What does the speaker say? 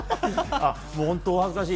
本当お恥ずかしい。